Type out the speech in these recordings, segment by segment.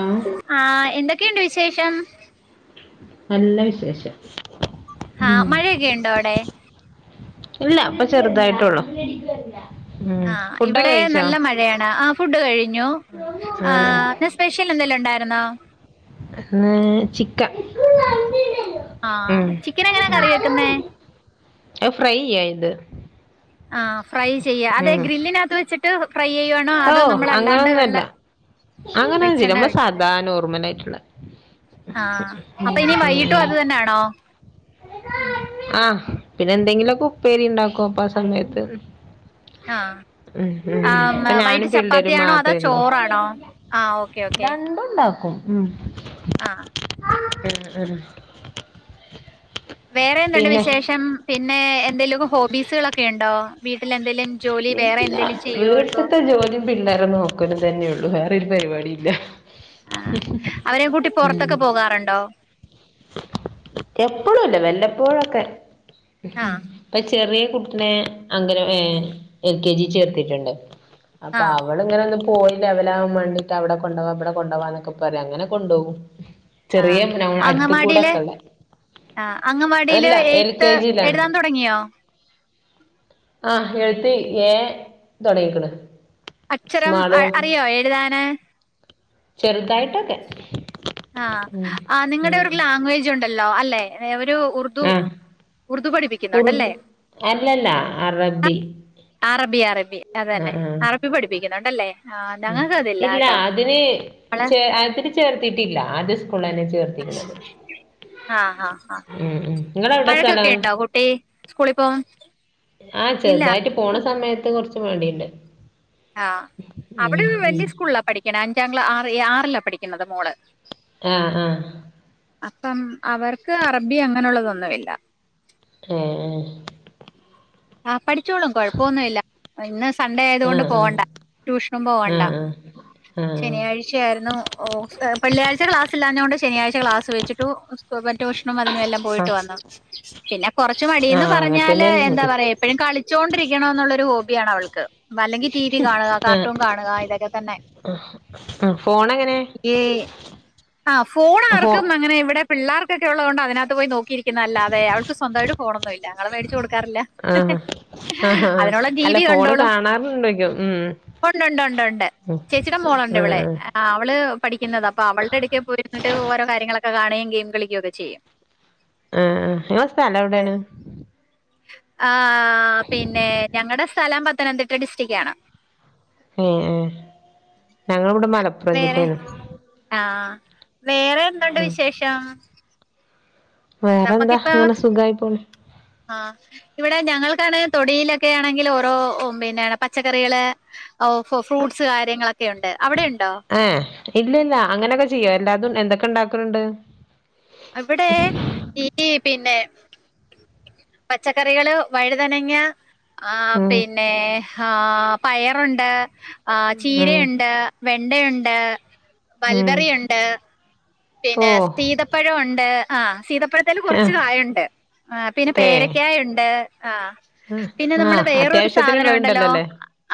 ആ ആഹ് എന്തൊക്കെണ്ട് വിശേഷം നല്ല വിശേഷം ആഹ് ഉം മഴയൊക്കെ ഉണ്ടോ അവിടെ ഇല്ല ഇപ്പ ചെറുതായിട്ടൊള്ളു ആഹ ഇവിടെ നല്ല മഴയാണ് ആ ഫുഡ് കഴിഞ്ഞു ആ സ്പെഷ്യൽ എന്തെലു ഉണ്ടായിരുന്നോ ന്നെ ചിക്ക ഉം ആഹ് ചിക്കൻ എങ്ങനാ കറി വെക്കുന്നേ ഉം ഫ്രൈയ ഇത് ആ ഫ്രൈ ചെയ്യ അതെ ഉം ഗ്രില്ലിനകത്ത് വെച്ചിട്ട് ഫ്രൈ യ്വണോ അതോ നമ്മളല്ലാണ്ട് വെള്ള അങ്ങനെയചരി വെളിച്ചെണ്ണ നമ്മ ഒഴിച്ചിട്ട് സാദാ നോർമലായിട്ട്ള്ള ആഹ് അപ്പൊ ഇനി വൈകിട്ടും അത് തന്നൊണോ ആഹ പിന്നെ എന്തെങ്കിലൊക്ക ഉപ്പേരി ഉണ്ടാക്കോ അപ്പ ആ സമയത്ത് ആഹ് ഉം ഉം ഇപ്പ ആഹ് ഞാനും വൈകിട്ട് പിള്ളേരും ചപ്പാത്തിയാണോ അതോ മാത്രേ ഒള്ളൂ ചോറാണോ ആഹ് ഓക്കെ ഓക്കെ രണ്ടുംണ്ടാവു [inaudible] ഉം ആഹ് ഉം ഉം വേറെ എന്ത്ണ്ട് പിന്നെ വിശേഷം പിന്നെ എന്തെലുമക്ക ഹോബീസ്കളൊക്കെ ഉണ്ടോ വീട്ടിൽ എന്തെലും ജോലി വേറെ ഇല്ല എന്തെലും ചെയ്യോ എടുക്കോ വീട്ടത്തെ ജോലി പിള്ളേരെ നോക്ക തന്നെയള്ളു വേറെ ഒരു പരിപാടി ഇല്ല ആഹ് അവര കൂട്ടി പൊറത്തൊക്കെ പോകാറുണ്ടോ എപ്പളുല്ല വല്ല എപ്പോളൊക്കെ ആഹ് ഇപ്പ ചെറ്യേ കുട്ടിനെ അങ്ങനെ ഏ എൽ കെ ജി ചേർത്തിട്ട്ണ്ട് ആ അപ്പൊ അവള് ഇങ്ങനെ എ പോയിലവലാവൺ മാണ്ടിട്ട് അവിടെ കൊണ്ടവാ ഇവിടെ കൊണ്ടവാന്നൊക്കെ പറയും അങ്ങനെ കൊണ്ടോവും ചെറിയ അടുത്ത്കൂടെക്കെള്ള ആഹ് അംങ്ങവാടീല് എഴുത്ത് എഴുതാൻ തുടങ്ങിയോ ആഹ് എഴുത്തി ഏ തുടങ്ങിക്ക്ണ് അക്ഷരം അറിയോ എഴുതാന് ചെറ്തായിട്ട് ആഹ് ആ നിങ്ങളുടെ ഉം ഒരു ലാംഗ്വേജ് ഉണ്ടല്ലോ അല്ലെ ഒരു ഉർദു ഉറ്ദ് അല്ലല്ല അറബി അറബി അറബി അതന്നെ അറബി പഠിപ്പിക്കുന്ന ഉം ഇല്ല അതിന് വള ചെ അതിന് ചേർത്തിട്ടില്ല അത് പുള്ളന്നെ ചേർത്തിക്ക്ണത് ആഹ് ആഹ് ഹ ഇങ്ങളെവിടെ സ്ഥലം വഴക്കൊക്കെ ഉണ്ടോ കുട്ടി സ്കൂളിൽ പോ ആഹ് ചെറുതായിട്ട് പോണ സമയത്ത് കൊറച്ച് മടി ഇണ്ട്. ആഹ് അവള് വലിയ സ്കൂളിലാ പഠിക്കണെ അഞ്ചാം ക്ലാ ആ ആറിലാ പഠിക്കുന്നത് മോള്. ആഹ് ആഹ്. അപ്പം അവർക്ക് അറബി അങ്ങനെുള്ളതൊന്നുവില്ല. ഏഹ്. ആഹ് പഠിച്ചോളും കൊഴപ്പൊന്നുല്ല ഇന്ന് സൺഡേ ആയത് ആ കൊണ്ട് ആ പോവണ്ട ട്യൂഷനും ആ ആ പോവണ്ട. ആ ആ ശനിയാഴ്ചയായിരുന്നു ഓ വെള്ളിയാഴ്ച ക്ലാസ്സ് ഇല്ലാഞ കൊണ്ട് ശനിയാഴ്ച ക്ലാസ്സ് ച്ചിട്ടു സ്കൂ ട്യൂഷനും അതിനും എല്ലാം പോയിട്ട് വന്നു പിന്നെ കുറച്ചു ആ മടിന്ന് പറഞ്ഞാല് അങ്ങൻതന്നെണ് എന്താ ഇവടിം പറയാ എപ്പഴും കളിച്ചോണ്ടിരിക്കണ എന്നുള്ളൊരു ഹോബിയാണ് അവൾക്ക്. വല്ലെങ്കി ടി വി കാണുക ആ കാർട്ടൂൺ കാണുക ഇതൊക്കെ തന്നെ. ആ ഫോണെങ്ങനെ ഏയ് ആ ഫോൺ ആർക് ഫോ ക്കും അങ്ങനെ ഇവിടെ പിള്ളാർക്കൊക്കെ ഉള്ളോണ്ട് അതിനാത്ത് പോയി നോക് ഇരിക്കുന്നതല്ലാതെ അവൾക്ക് സ്വന്തായിട്ട് ഫോണൊന്നും ഇല്ല. ഞങ്ങള് മേടിച്ചു കൊടുക്കാറില്ല. ആഹ് ആഹ് ഹാ അതിനോളം ടി അല്ല ഫോണ് കാണാറ് [unintelligible] ഉം ഒണ്ടൊണ്ടൊണ്ടൊണ്ട്. ഉം ചേച്ചിയുടെ മോളൊണ്ട് ആ ഇവിളെ. ആഹ് അവള് പഠിക്കുന്നതാ. അപ്പൊ അവളുടെ അടുക്കെ പോയിരുന്നിട്ട് ഓരോ കാര്യങ്ങളൊക്കെ കാണുകയും ഗെയിം കളിക്കുക ഒക്കെ ചെയ്യും. ആഹ് ആഹ് നിങ്ങളെ സ്ഥലം എവിടെയാണ്? ആഹ് പിന്നെ ഞങ്ങളടെ സ്ഥലം പത്തനംതിട്ട ഡിസ്ട്രിക്റ്റ് ആണ്. ഏഹ് ഏഹ് ഞങ്ങളിവിടെ മലപ്പുറം വേറെ ജില്ലയാണ്. ആഹ് വേറെ എന്തൊണ്ട് ഉം വിശേഷം? വേറെന്താ നമ്മക്കിപ്പ ഇങ്ങനെ സുഖായി പോണ് ആഹ് ഇവിടെ ഞങ്ങക്കാണേ തൊടിയിലൊക്കെ ആണെങ്കിൽ ഓരോ പിന്നെ പച്ചക്കറികള് [unintelligible] ഫ്രൂട്ട്സ് കാര്യങ്ങളൊക്കെ ഉണ്ട്. അവിടെ ഉണ്ടോ? ഏഹ് ഇല്ല ഇല്ല.? അങ്ങനെയൊക്കെ ചെയ്യോ? എല്ലാതും എന്തൊക്കെ ഉണ്ടാക്കണുണ്ട്? അവിടെ ഈ പിന്നെ പച്ചക്കറികള്, വഴുതനങ്ങ ആഹ് ഉം പിന്നെ ഹാ പയറൊണ്ട്. ആഹ് ഉം ചീരയൊണ്ട് വെണ്ടയൊണ്ട്. ഉം മൾബറിയൊണ്ട്. ഓ പിന്നെ സീതപ്പഴം ഒണ്ട്. ആഹ് സീതപ്പഴത്തേല് ആ കൊറച്ച് കായൊണ്ട്. ആഹ് പിന്നെ അതെ പേരക്കായൊണ്ട്. ആഹ് ആ പിന്നെ ആ നമ്മള് വേറൊരു സാധനം അത്യാവശ്യത്തിനുള്ളതുണ്ടല്ലോ ഒണ്ടല്ലോ? അല്ലേ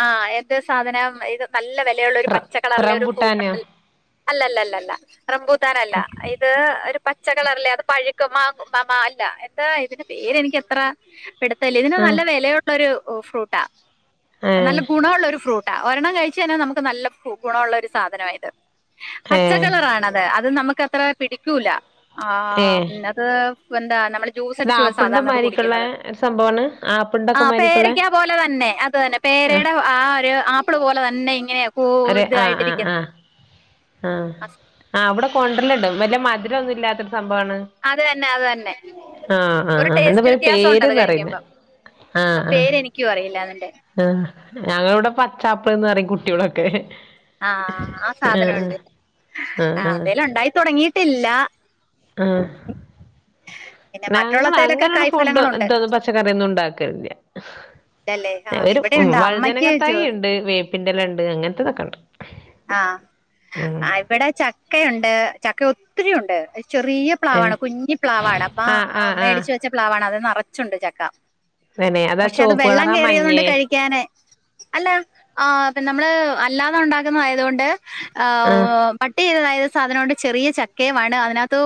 ആഹ് എന്ത് സാധനം ഇത് നല്ല വെലയൊള്ള ഒരു റ പച്ച കളറിലെ ഒരു ഫ്രൂട്ട് റംബുട്ടാനോ ഒണ്ടല്ലോ? അല്ലല്ല അല്ലല്ല റംബൂ ട്ടനല്ല. ഇത് ഒരു പച്ച കളറില്ലേ അത് പഴു [unintelligible] അല്ല എന്താ ഇതിന്റെ പേര് എനിക്കത്ര പിടത്തയില്ല. ഇതിന് ആ നല്ല വെലയുള്ള ഒരു ഫ്രൂട്ടാ. ആ നല്ല ഗുണ ഉുള്ള ഒരു ഫ്രൂട് ടാ. ഒരെണ്ണം കഴിച്ചാന്നെ നമുക്ക് നല്ല [unintelligible] ഒള്ള ഒരു സാധനായിത്. ഏ പച്ചക്കളറാണത്. ഇതു നമ്മക്കത്ര പിടിക്കുല. ആഹ് അത് എന്താ ജ്യൂസ് അത് അടിച്ചു സാധാരണ ആപ്പിണ്ടമാരിക്കുള്ള സംഭവമാണ് ആപ്പ് ആഹ് പേരയ്ക്കാ പോലെ തന്നെ അത് തന്നെ പേരയുടെ ആ ഒരു ആപ്പിള് പോലെ തന്നെ ഇങ്ങനെ കൂ അതെ ആഹ് ആഹ് ഇതായിട്ടിരിക്കുന്നു ആഹ് ആഹ് ആഹ് അവിടെ കോണ്ടല്ല്ണ്ട് വല്ല്യ മധുരൊന്നും ഇല്ലാത്ത സംഭവാണ് അത് തന്നെ അത് തന്നെ ആഹ് ഒരു ആഹ് ടേസ്റ്റ് എന്താറ വ്യത്യാസം ഉണ്ട് അത് പേര്ന്ന് പറയുന്നേ കഴിക്കുമ്പം ആ ആഹ് ആഹ് പേര് എനിക്കും അറിയില്ല അതിന്റെ ആഹ് ഞങ്ങളിവിടെ പച്ചാപ്പിള്ന്ന് പറയും കുട്ടിയോളൊക്കെ ആഹ് ആ ആഹ് സാധന്ണ്ട് ആഹ് അതെല് ഒണ്ടായി തൊടങ്ങിട്ടില്ല ഞങ്ങള് അങ്ങനൊരു ഫുഡ് എന്താ പച്ചക്കറിയൊന്നും ഉണ്ടാക്കലില്ല ഇല്ലല്ലേ ആ ഒരു ഇവിടെയുണ്ട് അമ്മയ്ക്ക് വഴുതന തൈ ജോ ഇണ്ട് വേപ്പിന്റെലണ്ട് അങ്ങനത്തെതൊക്കെണ്ട് ആഹ് ഇവിടെ ചക്കയുണ്ട് ചക്ക ഒത്തിരിയുണ്ട് ചെറിയ പ്ലാവാണ് ഏഹ് കുഞ്ഞി പ്ലാവാണ് അപ്പ ആഹ് ആഹ് ആഹ് മേടിച്ചു വെച്ച പ്ലാവാണ് അത് നിറച്ചുണ്ട് ചക്ക തന്നെ അതാ പക്ഷെ അത് ചോപ്പ് വെള്ളം കളറാ കേറിയതോണ്ട് മഞ്ഞേ കഴിക്കാന് അല്ല ആ നമ്മള് അല്ലാതെ ഉണ്ടാക്കുന്ന ആയതുകൊണ്ട് ആഹ് പട്ടി ചെയ്തതാ സാധനംണ്ട് ചെറിയ ചക്കയും വണ് അതിനകത്ത്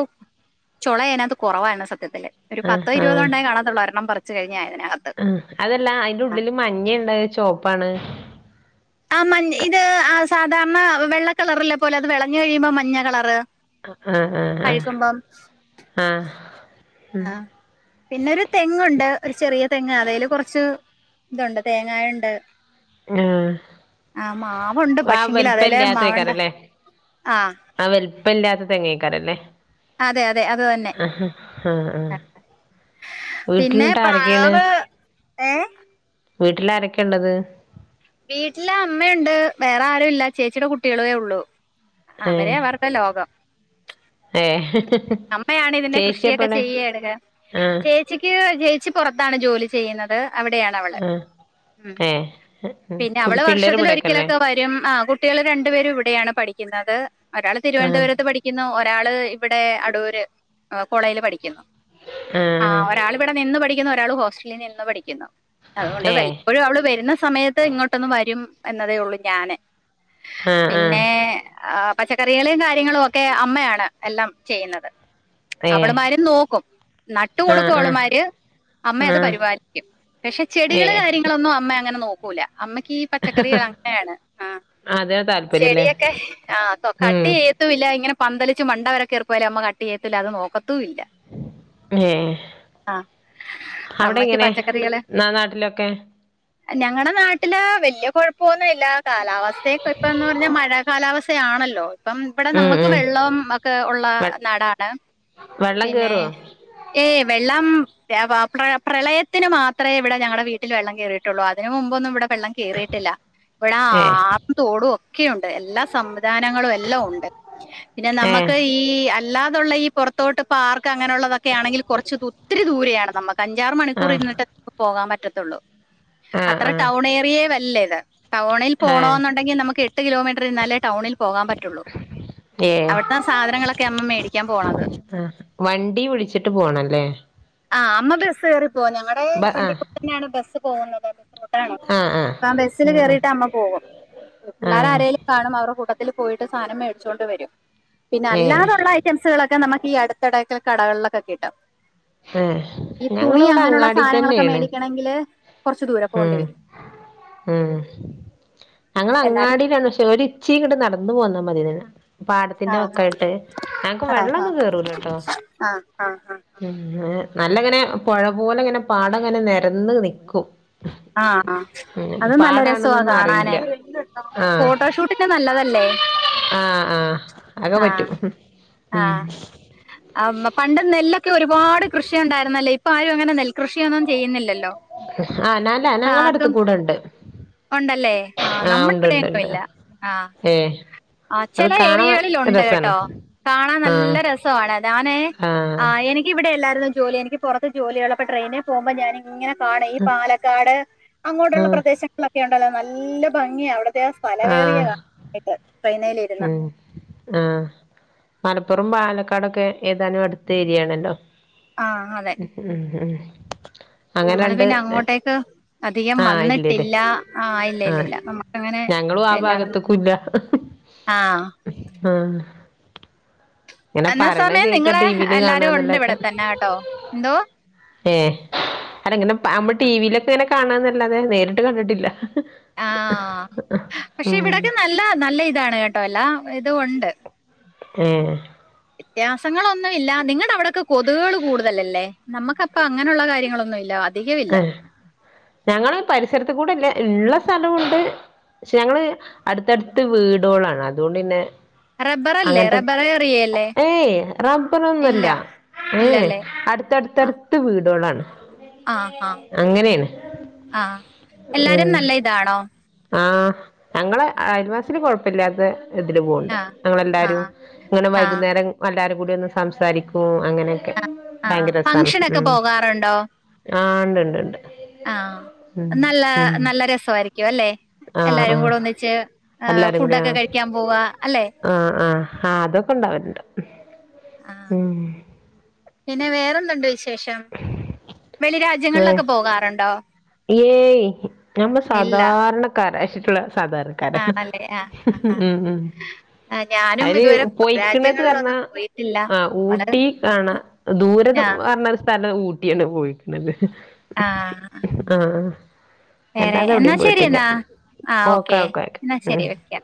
ചുള അതിനകത്ത് കുറവാണ് സത്യത്തില് ഒരു ആഹ് പത്തോ ആഹ് ഇരുപതെണ്ണേ കാണാത്തുള്ളൂ എണ്ണം പറഞ്ഞാ ആ അതല്ലാ അതിന്റെ ഉള്ളില് മഞ്ഞേണ്ട് ചൊവപ്പാണ് ആ മ ഇത് ആ സാധാരണ വെള്ള കളറല്ലെ പോലെ അത് വിളഞ്ഞു കഴിയുമ്പോ മഞ്ഞ കളറ് ആഹ് ആഹ് ആഹ് ആഹ് ആഹ് പിന്നെ ഒരു തെങ്ങുണ്ട് ഒരു ചെറിയ തെങ്ങ് അതായാല് കുറച്ച് ഇതുണ്ട് തേങ്ങായുണ്ട് ആ ആഹ് മാവൊണ്ട് ആ പക്ഷെങ്കിലും അതല്ല മാവ്ണ്ട് വലിപ്പല്ലാത്തേക്കാരല്ലേ ആ വലുപ്പമില്ലാത്ത തെങ്ങേക്കാരല്ലേ അതെ അതെ അത് തന്നെ ഹ പിന്നെ വീട്ടിൽന്നിട്ട് ആരൊക്കെയാണ് പ്ലാവ് ഏ വീട്ടിൽ ആരൊക്കെയാ ള്ളത് വീട്ടില് അമ്മയുണ്ട് വേറെ ആരും ഇല്ല ചേച്ചിയുടെ കുട്ടികളേ ഉള്ളു ഏ അവരെ അവർടെ ലോകം ഏ അമ്മയാണ് ഇതിന്റെ കൃഷിയൊക്കെ ചേച്ചിയപ്പടെ ചെയ്യ ഇടുക ആ ചേച്ചിക്ക് ചേച്ചി പൊറത്താണ് ജോ ജോലി ചെയ്യുന്നത് അവിടെയാണ് അവള് ആ ഉ ഏ പിന്നെ ഉം അവള് പിള്ളേര് വർഷത്തി ഇവിടേക്കല്ലേ ഒരിക്കലൊക്കെ വരും ആ കുട്ടികൾ രണ്ടുപേരും ഇവിടെയാണ് പഠിക്കുന്നത് ഒരാൾ ആ തിരുവനന്തപുരത്ത് പഠിക്കുന്നു ഒരാള് ഇവിടെ അടൂര് കോളേജിൽ പഠിക്കുന്നു ആ ആഹ് ആ ഒരാൾ ഇവിടെ നിന്ന് പഠിക്കുന്നു ഒരാൾ ഹോസ്റ്റലിൽ നിന്ന് പഠിക്കുന്നു അതുകൊണ്ട് ഏ വല്ലപ്പോഴും അവള് വരുന്ന സമയത്ത് ഇങ്ങോട്ടൊന്ന് വരും എന്നതേ ഉള്ളൂ ഞാന് ആ ആ പിന്നെ ആ പച്ചക്കറികളും കാര്യങ്ങളും ഒക്കെ അമ്മയാണ് എല്ലാം ചെയ്യുന്നത് ഏ അവള്മാര് നോക്കും നട്ട് ആ കൊടുക്കും ആ അവള്മാര് അമ്മ അത് ആ പരിപാലിക്കും പക്ഷെ ചെടികള് ഏ കാര്യങ്ങളൊന്നും അമ്മ അങ്ങനെ നോക്ക് അമ്മക്കീ പച്ചക്കറികള് അങ്ങനെയാണ് ആ അതിനാ താല്പര്യല്ലേ ചെടിയൊക്കെ ആ ഉം കട്ട് ചെയ്യത്തില്ല ഇങ്ങനെ പന്തലിച്ച് മണ്ടവര കയറിപ്പോയാല് അമ്മ കട്ട് ചെയ്യത്തില്ല അത് നോക്കത്തും ഇല്ല ഏ അവിടെ അമ്മയ്ക്ക് എങ്ങനെ നാ നാട്ടിലൊക്കെ ഞങ്ങളടെ നാട്ടില് വല്യ കൊഴപ്പൊന്നൂല്ല കാലാവസ്ഥയൊക്കപ്പിന്നെ പറഞ്ഞാ മഴ കാലാവസ്ഥ ആണല്ലോ ഇപ്പം ഇവിടെ ഉം നമുക്ക് ഉം വെള്ളം ഒക്കെ ഒള്ള വെ നാടാണ് വെള്ളം പിന്നെ കേറുവോ ഏ വെള്ളം പ്രളയത്തിന് മാത്രമേ ഇവിടെ ഞങ്ങളുടെ വീട്ടിൽ വെള്ളം കയറിയിട്ടുള്ളൂ അതിന് മുമ്പൊന്നും ഇവിടെ വെള്ളം കേറിയിട്ടില്ല ഇവിടെ ആ ഏ തോടും ഒക്കെയുണ്ട് എല്ലാ സംവിധാനങ്ങളും എല്ലാം ഉണ്ട് പിന്നെ ഏ നമ്മുക്ക് ഈ അല്ലാതുള്ള ഈ പുറത്തോട്ട് പാർക്ക് അങ്ങനെയുള്ളതൊക്കെ ആണെങ്കിൽ കുറച്ച് ഒത്തിരി ദൂരെയാണ് നമുക്ക് അഞ്ചാറ് ആ മണിക്കൂർ ഇരുന്നിട്ട് പോകാൻ പറ്റത്തുള്ളൂ ആ അത്ര ആ ടൗൺ ഏരിയേയ്വല്ല ഇത് ടൗണിൽ ആ പോണോന്നുണ്ടെങ്കിൽ നമ്മക്ക് എട്ട് കിലോമീറ്റർ ഇരുന്നാലെ ടൗണിൽ പോകാൻ പറ്റുള്ളൂ ഏ അവിടുത്തെ സാധനങ്ങളൊക്കെ അമ്മ മേടിക്ക ആ വണ്ടി വിളിച്ചിട്ട് പോണംല്ലേ ആഹ് അമ്മ ബസ് കയറിപ്പോവും ഞങ്ങളുടെ ബ ആ ഫ്രണ്ടിക്കൂടെ തന്നെയാണ് ബസ്സ് പോകുന്നത് ആ ആ ബെൽ ആ കേട്ട് അമ്മ പോകും ആ പിള്ളേര് ആരെങ്കിലും കാണും അവരുടെ കൂട്ടത്തി പോയിട്ട് സാധനം മേടിച്ചുകൊണ്ട് വരും പിന്നെ ഏ അല്ലാതുള്ള ഐറ്റംസുകളൊക്കെ നമുക്ക് ഈ അടുത്തെടയ്ക്കൽ കടകളിലൊക്കെ കിട്ടും ഏ ഈ തുണി ഞങ്ങളിവിടെ അങ്ങനെയുള്ള അങ്ങാടി സാധനങ്ങളൊക്കെ തന്നെയാണ് മേടിക്കണെങ്കില് കൊറച്ചു ദൂരം പോകേണ്ടി ഉം വരും ഉം ഞങ്ങ എന്നാലും അങ്ങാടിയിലാണ് പക്ഷേ ഒരിച്ചിയിങ്ങട്ട് നടന്ന അന്നന്ന് പോന്നാ മതി ആ പാടത്തിന്റെ വക്കായിട്ട് ഞങ്ങക്ക് ആ ആ വെള്ളമൊന്നും കേറൂലട്ടോ ആ ആ ഉ നല്ലങ്ങനെ പുഴ പോലെങ്ങനെ പാടംങ്ങനെ നിരന്ന് നിക്കും ആ ഉം അതും നല്ല രസവാ പാടാണെന്നൊന്നും കാണാനെ അറിയില്ല ഫോട്ടോഷൂട്ടിന് നല്ലതല്ലേ എ എ ആഹ ആഹ അതൊക്കെ പറ്റും ഉ ആ ഇമ്മ പണ്ട് നെല്ല്ക്കെ ഒരുപാട് കൃഷിണ്ടായിരുന്നല്ലേ ഇപ്പാരും അങ്ങനെ നെൽകൃഷിയൊന്നും ചെയ്യുന്നില്ലല്ലോ ന്നലാ ഞങ്ങളുടെടുത്ത ആർക്കും കൂടെണ്ട് ഉണ്ടല്ലേ ആ നമ്മുടെ ഉണ്ട് ഇടെങ്ങും ഉണ്ട് ഇല്ല ആ ഏഹ് ആ അത് ചെല കാണാൻ ഏരിയകളിൽ ഉണ്ട് രസാണ് കേട്ടോ കാണാൻ നല്ല ആഹ് രസമാണത് ആണേ ആ ആഹ് എനിക്കിവിടെ എല്ലാരും ജോലി എനിക്ക് പുറത്ത് ജോലി ഉള്ളപ്പോ ട്രെയിനെ പോവുമ്പോ ഞാനങ്ങനെ കാണ്നും ഈ പാലക്കാട് അങ്ങോട്ടുള്ള ആഹ് പ്രദേശങ്ങളൊക്കെ ഉണ്ടല്ലോ നല്ല ഭംഗിയ അവിടെ വത്യാം പല വേറിയ കായിട്ട് [unintelligible] ഉ ആഹ് മല മലപ്പുറം പാലക്കാടൊക്കെ ഏതാനും അടുത്ത ഏരിയയാണല്ലോ ഉ ഉ ഉ മ്മള് പിന്നെ അങ്ങോട്ടേക്ക് അധികം ആഹ് ഇല്ലല്ലേ വന്നിട്ടില്ല ആ ഇല്ല ആഹ് ഇല്ലല്ല നമുക്ക ഞങ്ങളും ആ അങ്ങനെല്ലാന്ന് ഭാഗത്തക്കും ആ ആ ഇങ്ങനെ എന്നാ പറിണ സമയം കേക്ക നിങ്ങള് ടിവിൽ എല്ലാരും ഉണ്ട് കാണന്നല്ലൊക്കെ ഇവിടെ തന്നെ കേട്ടോ എന്തോ ഏഹ് അല്ല ങ്ങനെ നമ്മള് ടി വിയിലൊക്കെ ഇങ്ങനെ കാണാന്നല്ലാതെ നേരിട്ട് കണ്ടിട്ടില്ല ആഹ് പക്ഷെ ഉം ഇവിടൊക്കെ നല്ല നല്ല ഇതാണ് കേട്ടോ അല്ല ഇത് ഉണ്ട് ഏഹ് വ്യത്യാസങ്ങളൊന്നുമല്ല നിങ്ങടെ അവിടൊക്കെ കൊതുകുകൾ കൂടുതലല്ലേ നമുക്ക് അപ്പ അങ്ങനെയുള്ള കാര്യങ്ങളൊന്നും ഇല്ല അധികം ഇല്ല ഏഹ് ഞങ്ങളും പരിസരത്ത് കൂടെല്ലേ ള്ള സ്ഥലമുണ്ട് പക്ഷെ ഞങ്ങള് അടുത്തടുത്ത് വീടൊള്ളാണ് അതുകൊണ്ട്ന്നെ റബ്ബറല്ലേ അങ്ങനത്തെ റബ്ബർ ഏറിയല്ലേ ഏയ് ഇല്ല റബ്ബറൊന്നുംല്ല ഏയ് ഇല്ലല്ലേ അടുത്തടുത്തടുത്ത് വീടൊള്ളാണ് ആഹ ആഹ ആഹ് എല്ലാരും നല്ല ഇതാണോ ആഹ ഞങ്ങള് അയൽവാസികൾ കൊഴപ്പില്ലാത്ത ഇതില് പോണ്ട് ആഹ് ഞങ്ങളെല്ലാരും ആഹ് ഇങ്ങനെ ആഹ് വൈകുന്നേരം എല്ലാവരും കൂടി ഒന്ന് സംസാരിക്കും അങ്ങനെ ആ ഫങ്ഷനൊക്കെ പോകാറുണ്ടോ ആ ണ്ട് ണ്ട് ണ്ട് ആഹ നല്ല നല്ല രസായിരിക്കും അല്ലെ ആഹ് എല്ലാരും ആഹ് കൂടെ ഒന്നിച്ച് ഫുഡൊക്കെ കഴിക്കാൻ പോവ അല്ലെ ആഹ ആഹ് ആ് അതൊക്കെ ഇണ്ടാവലുണ്ട് ആഹ് ഉം പിന്നെ വേറെതുണ്ട് വിശേഷം വെളി ഏഹ് രാജ്യങ്ങളിലൊക്കെ പോകാറുണ്ടോ ഏയ് ഞമ്മ ഇല്ല സാധാരണക്കാരച്ചിട്ടുള്ള സാധാരണക്കാരൻ ആണല്ലേ ആഹ് ആഹ് ഉം ഉം ആഹ് ഞാനും അയിന് ഇതുവരെ പോയിക്കണത്ർണ രാജ്യങ്ങളിലൊന്നും പോയിട്ടില്ല ആ നമ്മള് ഊട്ടി കാണ ദൂരെ ആഹ് പറഞ്ഞ സ്ഥലം ഊട്ടി ഊട്ടിയാണ് പോയിക്കണത് ആഹ ആ ആ അല്ലാതെ എന്നാ എവിടേം ശരി പോയിട്ടില്ല എന്നാ ആഹ് ഓക്കെ ഓക്കെ എന്നാ ശരി വെക്കാം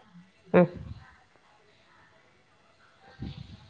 ആഹ് [unintelligible]